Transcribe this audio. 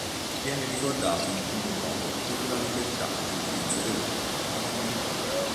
Viene ricordato in primo luogo per la libertà di utilizzo dell'acqua in agricoltura.